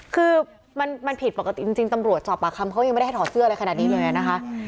คือมันผิดปกติจริงตำรวจสอบปากคำเขายังไม่ได้ให้ถอดเสื้ออะไรขนาดนี้เลยนะคะ